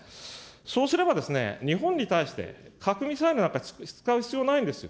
そうすれば、日本に対して、核・ミサイルなんか使う必要ないんですよ。